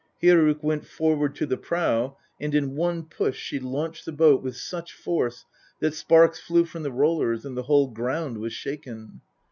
Hyrrok went forward to the prow, and in one push she launched the boat with such force that sparks flew from the rollers, and the whole ground was shaken.